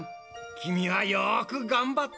きみはよくがんばった。